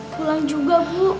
pulang juga bu